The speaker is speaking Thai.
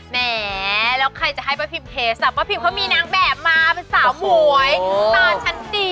แหมแล้วใครจะให้ป้าพิมเทสป้าพิมเขามีนางแบบมาเป็นสาวหมวยตอนชั้น๔